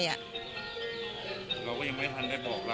เราก็ยังไม่ทันได้บอกเรา